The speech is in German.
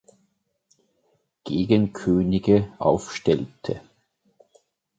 Gegenkönige aufstellte.